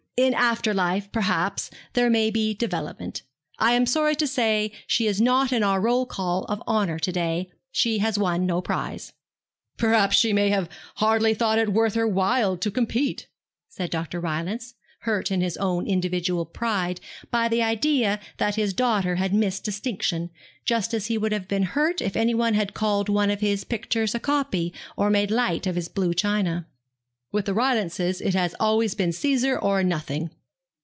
In after life, perhaps, there may be development. I am sorry to say she is not in our roll call of honour to day. She has won no prize.' 'Perhaps she may have hardly thought it worth her while to compete,' said Dr. Rylance, hurt in his own individual pride by the idea that his daughter had missed distinction, just as he would have been hurt if anybody had called one of his pictures a copy, or made light of his blue china. 'With the Rylances it has always been Caesar or nothing.'